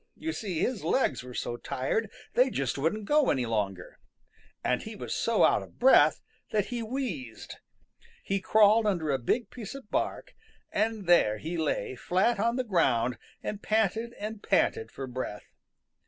You see, his legs were so tired they just wouldn't go any longer. And he was so out of breath that he wheezed. He crawled under a big piece of bark, and there he lay flat on the ground and panted and panted for breath.